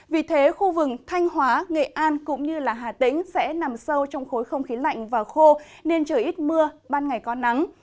vì thế khu vực thanh hóa nghệ an cũng như hà tĩnh sẽ nằm sâu trong khối không khí lạnh và khô nên trời ít mưa ban ngày có nắng